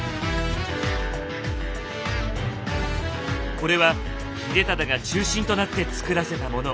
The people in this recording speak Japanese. これは秀忠が中心となって造らせたもの。